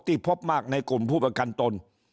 พบมากในกลุ่มผู้ประกันตน